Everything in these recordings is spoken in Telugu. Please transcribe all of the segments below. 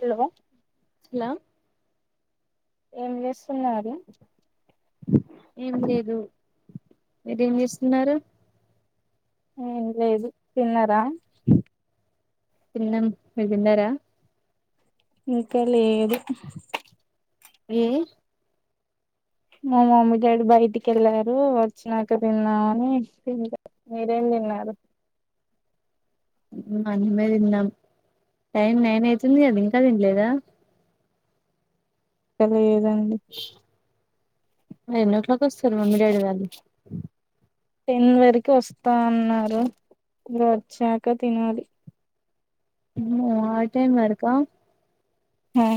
హలో! హలో! ఏం చేస్తున్నారు? ఏం లేదు, మీరేం చేస్తున్నారు? ఏం లేదు తిన్నరా తిన్నం మీర్ తిన్నరా ఇంకా లేదు. ఏ మా మమ్మీ డాడీ బైటికెళ్ళారు వచ్చినాక తిందామని తిన్లె మీరేం తిన్నారు అన్నమే తిన్నాం. టైం నైన్ అయితుంది కదా ఇంకా తిన్లేదా లేదండి. ఎన్నో క్లాక్ కొస్తరు మమ్మీ, డాడీ వాళ్ళు టెన్ వరకి వస్తా అన్నారు ఇగ వచ్చాక తినాలి. మ్ హ్ ఆ టైం వర్కా హ ఆ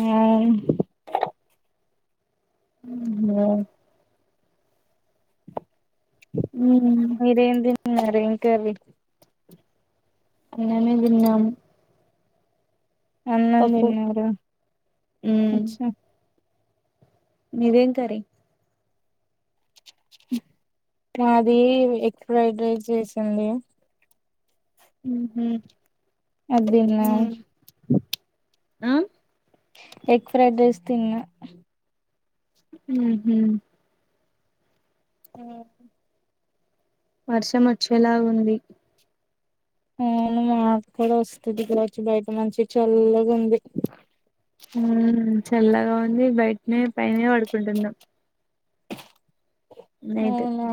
మ్ హ్ మ్మ్ మీరేం తిన్నారు, ఏం కర్రీ? అన్నమే తిన్నాం. అన్నం పప్పు తిన్నారా మ్మ్ అచ్చా మీదేం కర్రీ కాది ఎగ్ ఫ్రైడ్ రైస్ చేసింది. అది తిన్నా అ ఎగ్ ఫ్రైడ్ రైస్ తిన్న. మ్ హ్ ఆ వర్షం వచ్చేలాగుంది. అవును మా కూడా వస్తది కావచ్చు బయట మంచి చల్లగుంది. మ్ చల్లగా ఉంది బైట్నే పైనే పడుకుంటున్నం. అవునా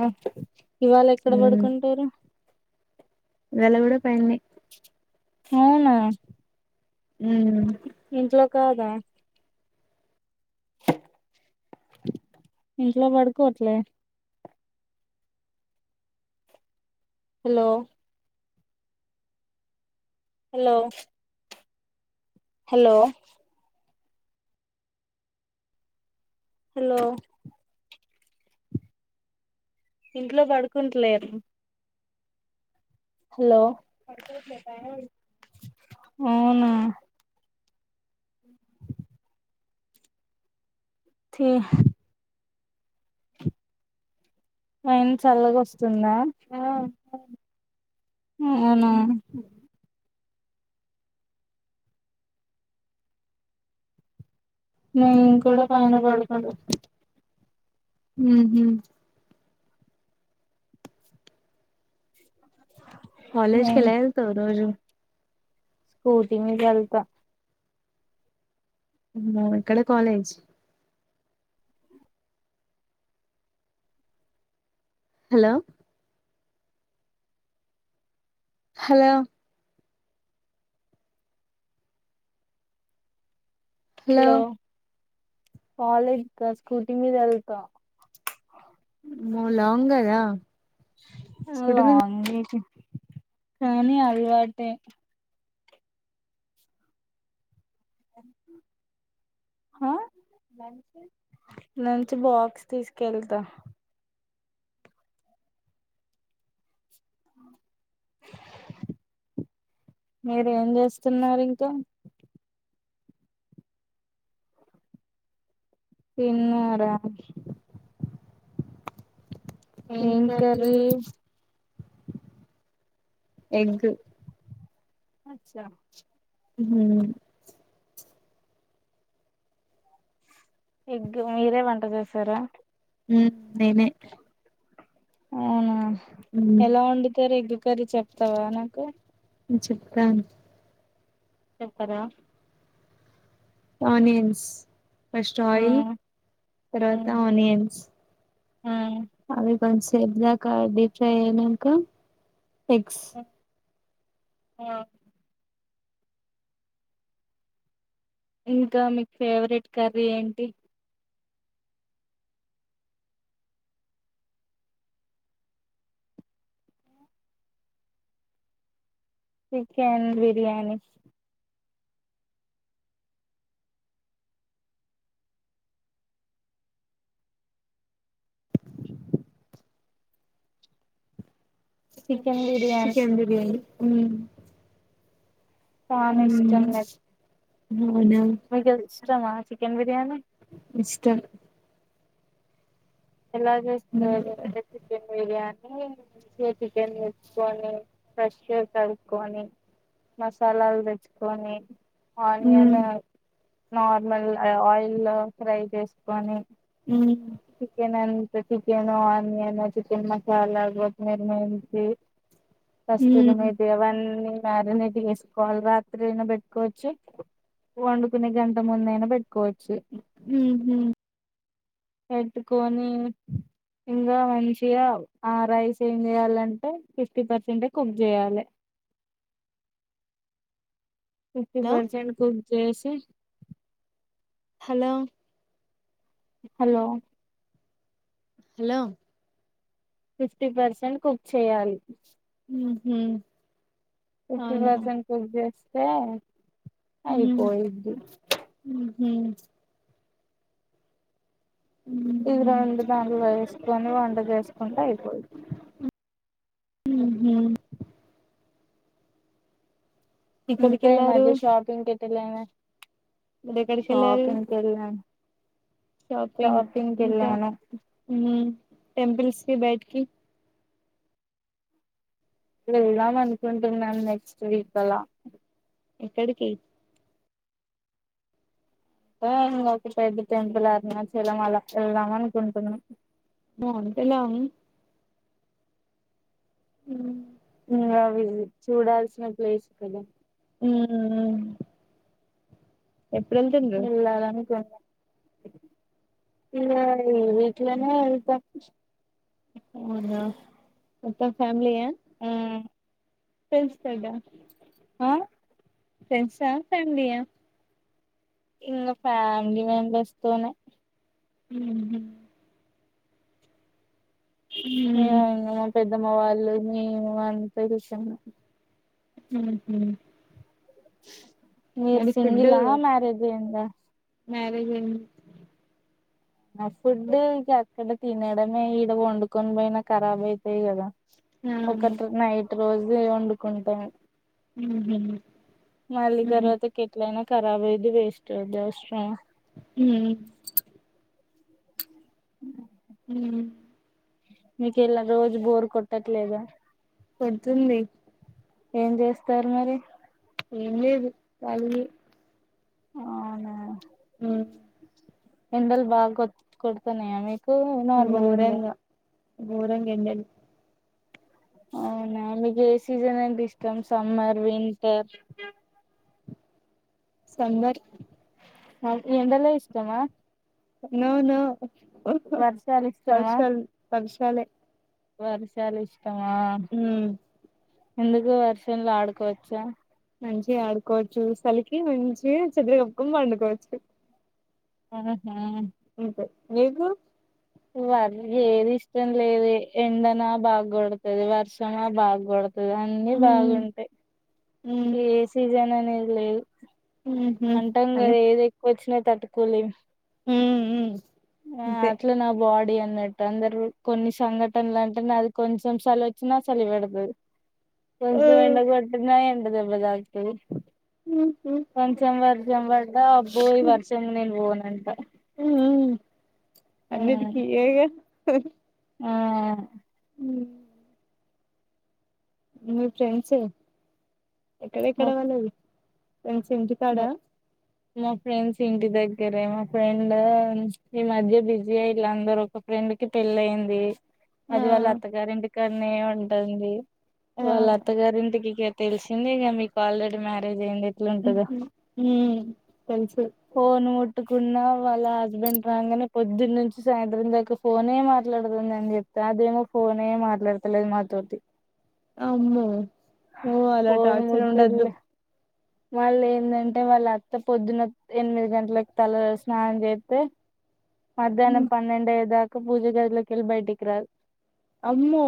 ఇవాళ ఎక్కడ మ్మ్ పడుకుంటారు. ఇవాళ గుడా పైన్నే అవునా మ్ ఇంట్లో కాదా ఇంట్లో పడుకోవట్లే? హలో! హలో! హలో! హలో! ఇంట్లో పడుకుంట్లేర్ హలో! అవునా [inaudible] తీ ఫైన చల్లగా వస్తుందా ఆ ఉ అవునా నువ్వు మేము కూడా పైన కనబడుతుం పడుకుంటాం ఊహు కాలేజ్ నేను కెళ్ళావు రోజు స్కూటీ మీద ఎల్త ఇక్కడ college hello hello hello college scooty మీద వెళ్తా మో లాంగ్ కదా సుడి గు లాంగే కానీ అలవాటే అ ఆ లంచ్ బాక్స్ తీసుకెళతా [inaudible] మీరు ఏం జేస్తున్నారు ఇంకా తిన్నర ఏం ఏంటది కర్రీ ఎగ్ అచ్చా ఉ ఎగ్ మీరే వంట చేసారా ఉ నేనే అవునా ఉమ్ ఎలా వండుతారు ఎగ్ కర్రి చెప్తావా నాకు చెప్తాను చెప్పరా ఆనియన్స్ ఫస్ట్ ఆ ఆయిల్ తర్వాత ఆ ఆనియన్స్ వన్స్ ఎగ్ లాకా డి ఫ్రై అయినంక ఎగ్స్ ఆ ఇంకా మీకు ఫేవరెట్ కర్రీ ఏంటి chicken biryani chicken biryani chicken biryani ఉ తాను ఇష్టంలే అవునా ఇష్టమా చికెన్ బిర్యానీ ఇష్టం ఎలా చేస్తారు మీరు చికెన్ బిర్యానీ ఉ మంచిగా చికెన్ తెచ్చుకొని ఫ్రెష్ గా కడుక్కొని మసాలాలు తెచ్చుకొని ఉమ్ ఆనియన్ నార్మల్ ఆ ఆయిల్లో ఫ్రై చేసుకొని మ్మ్ చికెన్ అంతా చికెన్ ఆనియన్ ఆ చికెన్ మసాలా కొత్తిమీరీ కస్తూరి ఉమ్ మేతి అవన్నీ మ్యాగినేట్ చేసుకోవాలి రాత్రి అయిన పెట్టుకోవచ్చు వండుకునే గంట ముందు అయినా పెట్టుకోవచ్ ఉహ్మ్ పెట్టుకొని ఇంగా మంచిగ ఆ రైస్ ఏం చేయాలంటే ఫిఫ్టీ పర్సెంటే ఏ కుక్ చేయాలే ఫిఫ్టీ హలో పర్సెంట్ కుక్ జెసి hello hello hello fifty percent cook చేయాలి ఉహ్మ్ ఫిఫ్టీ పర్సెంట్ కుక్ చేస్తే అయిపోయిది ఉహ్మ్ ఉమ్ ఇ రెండు దాంట్లో వేసుకొని దాంట్లోకి వేసుకుంటే అయిపోయిద్ది ఉహ్మ్ ఇంక ఎక్కడికి ఈ వెళ్ళారు మధ్య షాపింగ్ కి ఎట్టలేవే మీరు ఎక్కడికి వెళ్ళారు షాపింగ్ కి ఎళ్ళా షాపింగ్ ఇంక వెళ్ళాను నీ టెంపుల్స్ కి బయటికి వెళ్దాం అనుకుంటున్నాను నెక్స్ట్ వీక్ అల ఎక్కడికి ఉ ఒక పెద్ద టెంపుల్ అరుణాచలం అలా వెళ్దాం అనుకుంటున్న బావుంటల హ్మ్ ఇంకా విజిట్ చూడాల్సిన ప్లేస్ కద హ్మ్ హ్మ్ ఎల్లారనుకోన్న వెళ్లాలి ఈ వీక్లోనే వెళ్త అవునా మొత్తం ఫ్యామిలీ ఆ ఫ్రెండ్స్ తోట ఆ ఫ్రెండ్సా ఫ్యామలీయా ఇంగ ఫ్యామిలీ మెంబెర్స్ తోనే ఉహ్మ్ యా ఇంగ మా పెద్దమ్మ వాళ్ళు మేము [unintelligible] ఊహు మీరు సింగిలా మ్యారేజ్ అయింద మ్యారేజ్ అయింది నా ఫుడ్ ఇంకా అక్కడ తినడమే ఈడ వండుకొని పోయినా కరాబ్ అయితది కద ఆ ఒకటో నైట్ రోజే వండుకుంటాం ఉహు మళ్ళీ ఉమ్ తరువాత కేట్లాయిన ఖరాబ్ ఐద్ధి వేస్ట్ ఐద్ధి అవసరమా హ్మ్ హ్మ్ హ్మ్ మీకు ఎలా రోజు బోర్ కొట్టట్లేద కొడతుంది ఏం జెస్తరు మరి ఎం లేదు కాలినే అవునా మ్ ఎండల్ బాగా కొట్ కొడ్తున్నయా మీకు నార్మల్ ఉందా గోరంగ్ ఎండలు అవునా మీక్ ఏ సీజన్ అంటే ఇష్టం సమ్మర్, వింటర్ సమ్మర్ అ ఈ ఎండలే ఇష్టమా నో నో వర్షాలు వర్షాల్ వర్షాలే వర్షాల్ ఇష్టమా ఉమ్ ఎందుకు వర్షంలో ఆడుకోవచ్చ మంచిగ ఆడుకోవచ్చు సలికి మంచిగ చద్దర్ కప్పుకోన్ పండుకోవచ్చు. [unintelligible] మీకు? వర్ ఏది ఇష్టం లేదీ ఎండన బాగ గొడ్తది వర్షంమా బాగ్ గొడ్ తది. అన్ని ఉమ్ బాగుంటయి ఉమ్ ఏ సీజన్ అనేద్ లేదు. ఉహు అంటం అని గదా ఏది ఎక్కువ వచ్చినా తట్టుకోలేం. హ్మ్ మ్ ఆ అట్ల నా బాడీ అం న్నట్టు అందరు కొన్ని సంఘటనలంటే నాది కొంచం సలొచ్చినా వచ్చినా చలిపెడతది. ఆ కొంచం ఎండ కొట్టినా ఎండ దెబ్బ తాకుతది. ఉహు కొంచం వర్షం పడ్డా అబ్బో ఈ వర్షంలొ నేన్ పోనంట. మ్ మ్ ఆ అన్నీటికి [unintelligible] ఆ హ్ మీ ఫ్రెండ్స్ ఎక్కడెక్కడ మా వాళ్ళది ఫ్రెండ్స్ ఇంటి కాడా మా ఫ్రెండ్స్ ఇంటి దగ్గరే మా ఫ్రెండ్ ఉండదా ఈ మధ్య బిజి అయిన్లు అందరు ఫ్రెండ్కి పెళ్లైంది. ఆ అది వాళ్ళ అత్తగారింటికాన్నే ఉంటుంది. ఆ వాళ్ళ అత్తగారింటికి [inaudible] తెల్సిందేగ మీక్ ఆల్రెడీ మ్యారేజ్ అయింది ఎట్లుంటదో మ్ తెల్సు కున్నా వాళ్ళ హస్బెండ్ రాంగనే పొద్దున్నుంచి సాయంత్రం దాకా ఫోనే మాట్లాడ్తుందని చెప్ప అదేమో ఫోనే మాట్లాడ్తలేదు మాతోటి అమ్మో ఓ అలా టార్చర్ ఉండద్దు. వాళ్లే ఎందంటే వాళ్ళ అత్త పొద్దున ఎనిమిది గంటలక్ తల స్నానం జేత్తే మధ్యాహ్నం పన్నెండయ్యేదాక పూజ గదికెల్లి బైటిక్ రాదు. అమ్మో!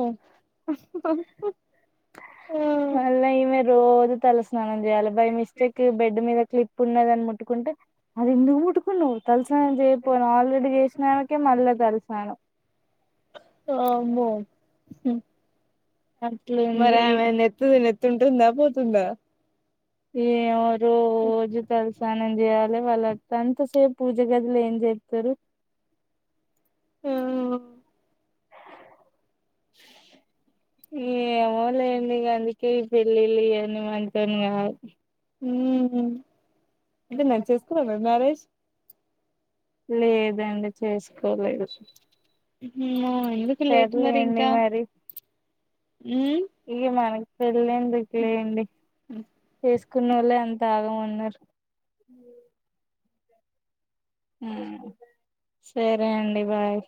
మళ్ళ ఈమె రోజు తల స్నానం చేయాలె బై మిస్టేక్ బెడ్ మీద స్లిప్ ఉన్నదన్ ముట్టుకుంటే అద్ ఎందుకు ముట్టుకున్నవ్ తల స్నానం చేయిపో ఆల్రెడీ చేసినంకే మళ్ళ తల స్నానం వామ్మో! మరి అట్లుంది ఆమె నెత్తుది నెత్తుంటుందా పోతుందా? ఏ ఆ రోజు తలస్నానం చేయాల్ అంత సేప్ పూజ గదిలో ఏం చేత్తరు. ఏమో లేండి ఇగ అందుకే ఈ పెళ్ళిళ్ ఇ అన్ని మంతోని కాదు హ్మ్ అయితే మీరు చేసుకోలేదా మరి మ్యారేజ్ లేదండి చేసుకోలేదు అమ్మ ఎందుకు లేట్ మరి సర్లేండి ఇంకా మరి ఉమ్ ఇగ మనకు పెళ్లెందుకులేండి చేసుకున్న వాళ్లే అం థాగ ఉన్నారు హ్మ్ సరే అండి బాయ్